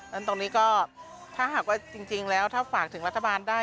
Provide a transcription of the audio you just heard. และตรงนี้จริงแล้วถ้าฝากถึงรัฐบาลได้